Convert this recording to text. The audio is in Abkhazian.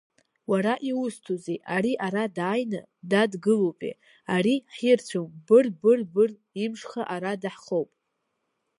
Уара, иусҭозеи, ари ара дааины дадгылопе, ари ҳирцәом, быр, быр, быр имшха ара даҳхоуп.